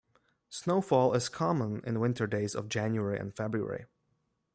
Snowfall is common in winter days of January and February.